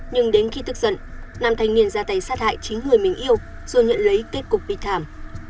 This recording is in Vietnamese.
nhưng đến khi tức giận nàm thành niên ra tay sát hại chính người mình yêu rồi nhận lấy kết cục bị thảm